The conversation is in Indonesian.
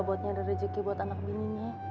buatnya ada rezeki buat anak bininya